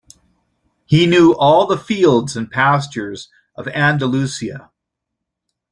He knew all the fields and pastures of Andalusia.